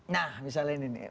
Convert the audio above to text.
nah misalnya ini nih